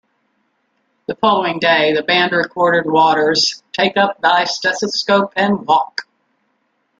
The following day, the band recorded Waters' "Take Up Thy Stethoscope and Walk".